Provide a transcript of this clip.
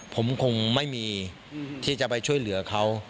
ผมคงไม่มีที่จะไปช่วยเหลือเขา